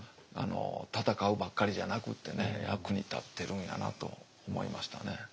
戦うばっかりじゃなくてね役に立ってるんやなと思いましたね。